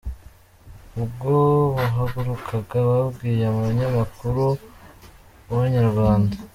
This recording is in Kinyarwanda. Ubwo bahagurukaga babwiye umunyamakuru wa Inyarwanda.